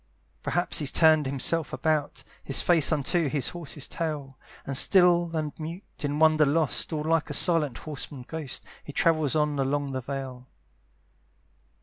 Perhaps he's turned himself about, His face unto his horse's tail, And still and mute, in wonder lost, All like a silent horseman ghost, He travels on along the vale.